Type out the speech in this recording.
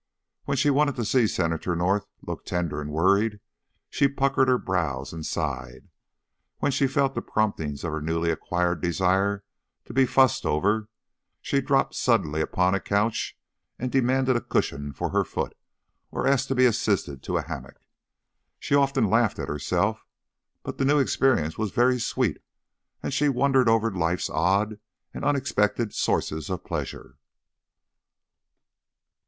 When she wanted to see Senator North look tender and worried, she puckered her brows and sighed. When she felt the promptings of her newly acquired desire to be "fussed over," she dropped suddenly upon a couch and demanded a cushion for her foot, or asked to be assisted to a hammock. She often laughed at herself; but the new experience was very sweet, and she wondered over Life's odd and unexpected sources of pleasure.